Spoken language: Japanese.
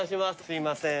すいません。